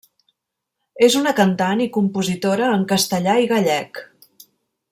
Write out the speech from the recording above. És una cantant i compositora en castellà i gallec.